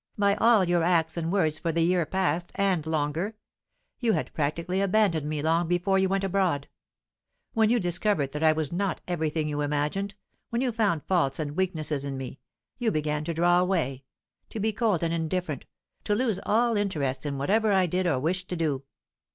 "By all your acts and words for the year past, and longer. You had practically abandoned me long before you went abroad. When you discovered that I was not everything you imagined, when you found faults and weaknesses in me, you began to draw away, to be cold and indifferent, to lose all interest in whatever I did or wished to do.